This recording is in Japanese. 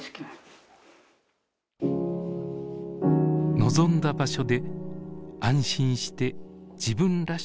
望んだ場所で安心して自分らしく暮らす。